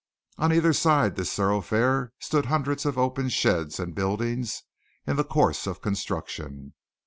On either side this thoroughfare stood hundreds of open sheds and buildings in the course of construction.